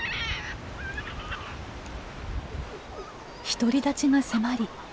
独り立ちが迫り